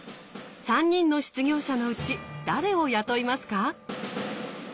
３人の失業者のうち誰を雇いますか？